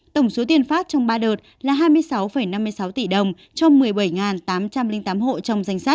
tổng số tiền phát trong ba đợt là hai mươi sáu năm mươi sáu tỷ đồng cho một mươi bảy tám trăm linh tám hộ trong danh sách